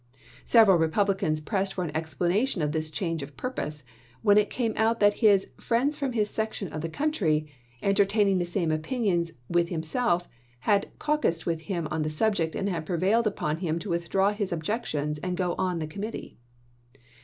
Several Republicans pressed for an explanation of this change of purpose, when it came out that his " friends from his section of the country," " enter taining the same opinions " with himself, had cau cused with him on the subject and had prevailed upon him to withdraw his objections and go on the Committee.